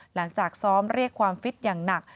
หลังจากซ้อมเรียกความฟิตอย่างหนัก